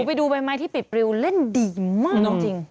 ไปดูใบไม้ที่ปิดปริวเล่นดีมากจริง